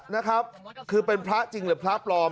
นะครับคือเป็นพระจริงหรือพระปลอม